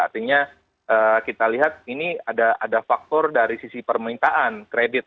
artinya kita lihat ini ada faktor dari sisi permintaan kredit